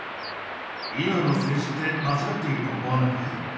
今の政治って間違っていると思わないかい？